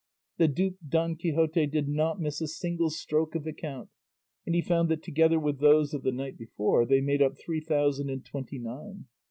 The duped Don Quixote did not miss a single stroke of the count, and he found that together with those of the night before they made up three thousand and twenty nine.